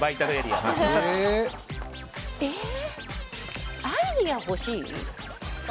アイデア欲しい。